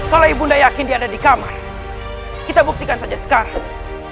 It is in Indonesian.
kalau ibunda yakin dia ada di kamar kita buktikan saja sekarang